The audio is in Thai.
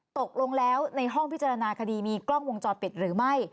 ตกลงแล้วในห้องพิจารณาคดีมีกล้องวงจรปิดหรือไม่